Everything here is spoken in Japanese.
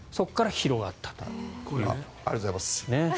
ありがとうございます。